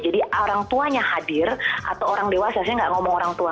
jadi orang tuanya hadir atau orang dewasa saya tidak ngomong orang tua